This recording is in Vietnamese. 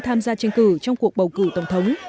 tham gia tranh cử trong cuộc bầu cử tổng thống